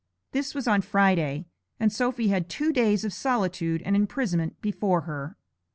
This was on Friday, and Sophy had two days of solitude and imprisonment before her.